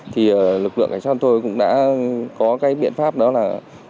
thì lực lượng cảnh sát thôi cũng đã có biện pháp đó là